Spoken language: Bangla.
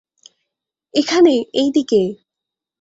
এখানে, এই দিকে।